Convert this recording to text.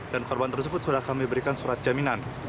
dan korban tersebut sudah kami berikan surat jaminan